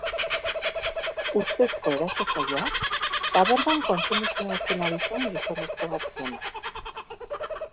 Ustezko erasotzailea tabernan kontsumizioa hartzen ari zen gizonezko bat zen.